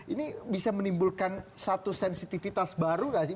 ini bisa menimbulkan satu sensitivitas baru nggak sih